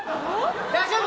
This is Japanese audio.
大丈夫？